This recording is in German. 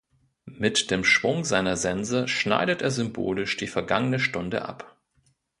Mit dem Schwung seiner Sense schneidet er symbolisch die vergangene Stunde ab.